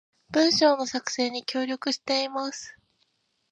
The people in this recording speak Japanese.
文章の作成に協力しています